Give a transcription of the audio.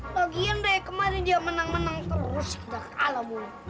logian dari kemarin dia menang menang terus kita kalah mulu